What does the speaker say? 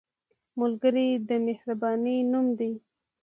ملګری د مهربانۍ نوم دی